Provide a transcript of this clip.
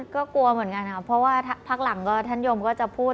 ก็กลัวเหมือนกันครับเพราะว่าพักหลังก็ท่านยมก็จะพูด